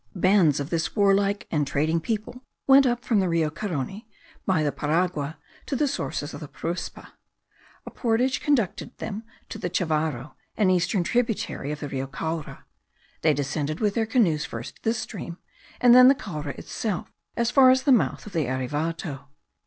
Bands of this warlike and trading people went up from the Rio Carony, by the Paragua, to the sources of the Paruspa. A portage conducted them to the Chavarro, an eastern tributary stream of the Rio Caura; they descended with their canoes first this stream, and then the Caura itself as far as the mouth of the Erevato.